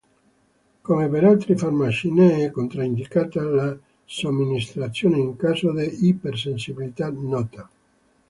Come per altri farmaci ne è controindicata la somministrazione in caso di ipersensibilità nota.